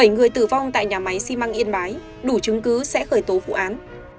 bảy người tử vong tại nhà máy xi măng yên bái đủ chứng cứ sẽ khởi tố vụ án